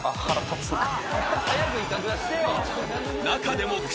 ［中でも］